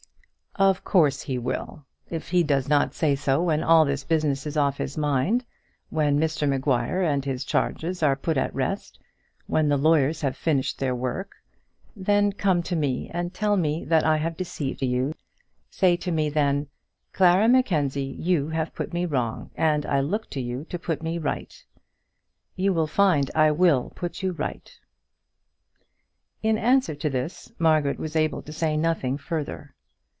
"Of course he will. If he does not say so when all this business is off his mind, when Mr Maguire and his charges are put at rest, when the lawyers have finished their work, then come to me and tell me that I have deceived you. Say to me then, 'Clara Mackenzie, you have put me wrong, and I look to you to put me right.' You will find I will put you right." In answer to this, Margaret was able to say nothing further.